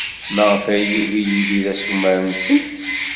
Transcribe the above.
Maɣef ay yugi Yidir assumer-nsent?